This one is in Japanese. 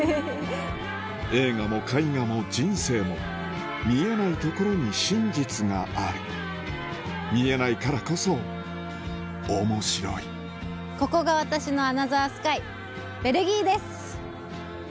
映画も絵画も人生も見えないところに真実がある見えないからこそ面白いここが私のアナザースカイベルギーです！